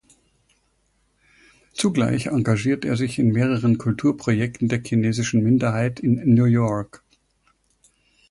Zugleich engagiert er sich in mehreren Kulturprojekten der chinesischen Minderheit in New York.